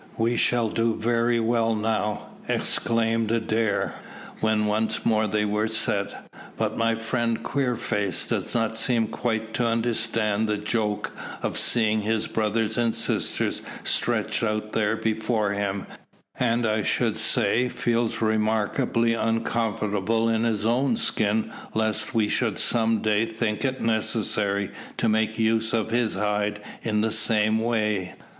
"We shall do very well now," exclaimed Adair, when once more they were set. "But my friend Queerface does not seem quite to understand the joke of seeing his brothers and sisters stretched out there before him, and I should say feels remarkably uncomfortable in his own skin lest we should some day think it necessary to make use of his hide in the same way."